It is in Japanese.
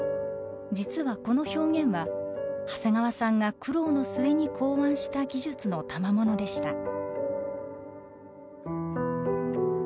実はこの表現は長谷川さんが苦労の末に考案した技術のたまものでした。